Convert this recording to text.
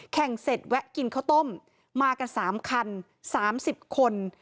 แข่งเสร็จแวะกินข้าวต้มมากัน๓คัน๓๐คน